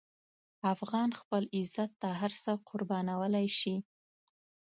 افغان خپل عزت ته هر څه قربانولی شي.